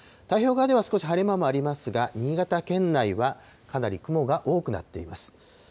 太平洋側では少し晴れ間もありますが、新潟県内はかなり雲が多くなっています。